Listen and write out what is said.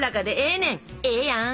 ええやん！